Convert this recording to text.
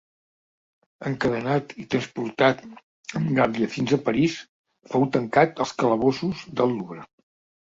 Encadenat i transportat en gàbia fins a París, fou tancat als calabossos del Louvre.